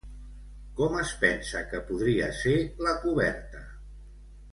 Com es pensa que podria ser la coberta?